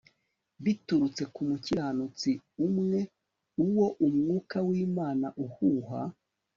Biturutse ku mukiranutsi umwe uwo umwuka wImana uhuha